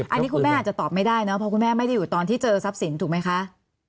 อันนี้คุณแม่อาจจะตอบไม่ได้นะเพราะคุณแม่ไม่ได้อยู่ตอนที่เจอทรัพย์สินถูกไหมคะ